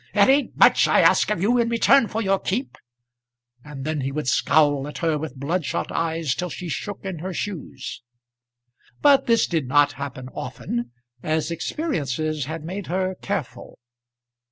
"It ain't much I ask of you in return for your keep;" and then he would scowl at her with bloodshot eyes till she shook in her shoes. But this did not happen often, as experiences had made her careful.